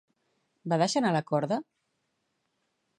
Va deixar anar la corda?